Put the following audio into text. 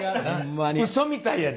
うそみたいやで！